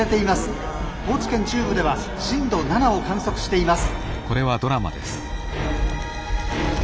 高知県中部では震度７を観測しています」。